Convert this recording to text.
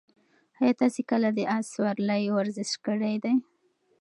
ایا تاسي کله د اس سورلۍ ورزش کړی دی؟